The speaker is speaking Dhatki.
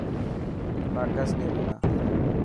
باڪس ڏي منا.